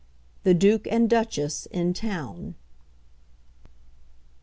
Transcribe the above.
THE DUKE AND DUCHESS IN TOWN.